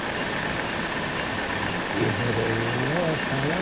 いずれ夢はさめる。